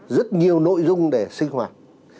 rất nhiều nội dung để sinh hoạt